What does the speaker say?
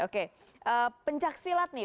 pencak silat nih